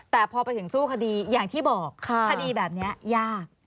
แต่พอไปถึงสู้คดีอย่างที่บอกคดีแบบนี้ยาก